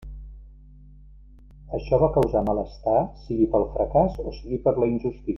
Això va causar malestar, sigui pel fracàs o sigui per la injustícia.